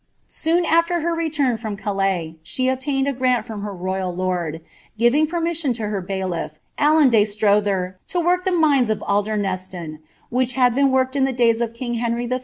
Soon lier return from Calais, she obtained a grant from her royal lord,* permission to her bailiff Alan de Strothere, to work the mines of leston, which had been worked in the days of king Henry III.